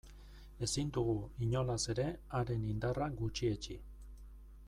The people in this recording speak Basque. Ezin dugu, inolaz ere, haren indarra gutxietsi.